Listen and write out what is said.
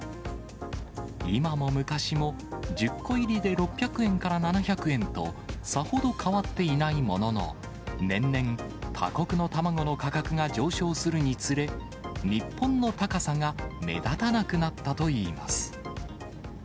今も昔も、１０個入りで６００円から７００円と、さほど変わっていないものの、年々、他国の卵の価格が上昇するにつれ、日本の高さが目立たなくなったといいます。